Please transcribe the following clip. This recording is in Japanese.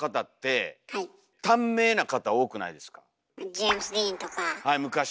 ジェームズ・ディーンとか。